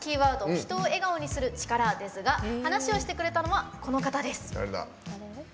「人を笑顔にする力」ですが話をしてくれたのはこの方です。